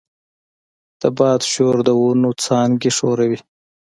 د باد شور د ونو څانګې ښوروي.